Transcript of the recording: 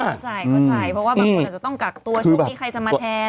เข้าใจเข้าใจเพราะว่าบางคนอาจจะต้องกักตัวช่วงนี้ใครจะมาแทน